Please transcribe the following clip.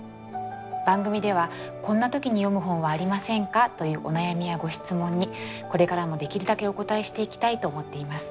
番組では「こんな時に読む本はありませんか？」というお悩みやご質問にこれからもできるだけお答えしていきたいと思っています。